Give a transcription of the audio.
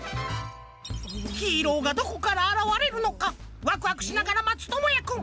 ヒーローがどこからあらわれるのかワクワクしながらまつともやくん。